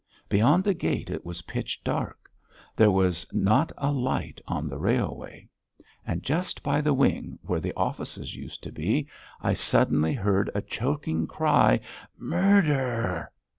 Beyond the gate it was pitch dark; there was not a light on the railway. And just by the wing, where the offices used to be, I suddenly heard a choking cry: "Mur der!"